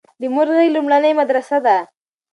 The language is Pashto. د مور غيږ لومړنۍ مدرسه ده